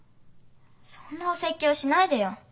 そんなお説教しないでよ。